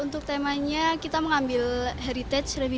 untuk temanya kita mengambil heritage